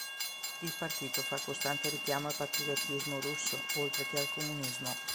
Il partito fa costante richiamo al patriottismo russo, oltre che al comunismo.